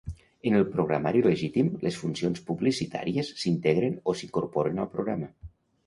En el programari legítim, les funcions publicitàries s’integren o s’incorporen al programa.